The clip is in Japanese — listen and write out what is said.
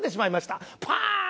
パーン！